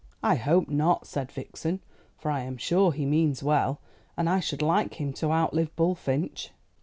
"I hope not," said Vixen, "for I am sure he means well. And I should like him to outlive Bullfinch."